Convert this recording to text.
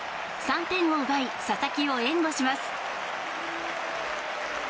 ３点を奪い佐々木を援護します。